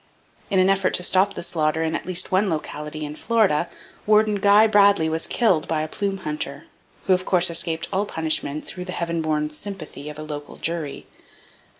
In an effort to stop the slaughter in at least one locality in Florida, Warden Guy Bradley was killed by a plume hunter, who of course escaped all punishment through the heaven born "sympathy" of a local jury.